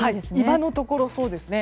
今のところ、そうですね。